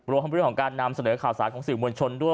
รวมทั้งเรื่องของการนำเสนอข่าวสารของสื่อมวลชนด้วย